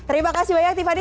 terima kasih banyak tiffany